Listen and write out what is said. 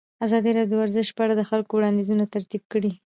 ازادي راډیو د ورزش په اړه د خلکو وړاندیزونه ترتیب کړي.